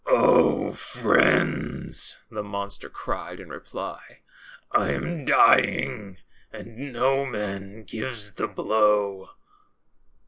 ^ Oh, friends !' the monster cried in reply, ' I am dying, and Noman gives the blow.